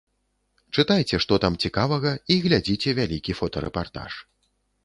Чытайце, што там цікавага, і глядзіце вялікі фотарэпартаж.